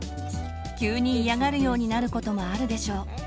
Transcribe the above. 急に嫌がるようになることもあるでしょう。